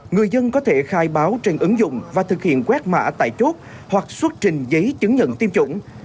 người dân có thể khai báo trên ứng dụng và thực hiện quét mã tại chốt hoặc xuất trình giấy chứng nhận tiêm chủng